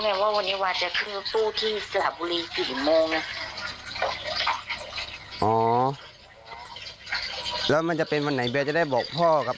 เอ่อวันนี้ไม่รู้ว่าจะจัดทันหรือเปล่า